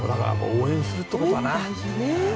応援するってことだな。